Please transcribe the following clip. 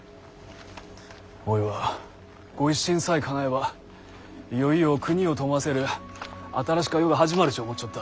おいは御一新さえかなえばいよいよ国を富ませる新しか世が始まるち思っちょった。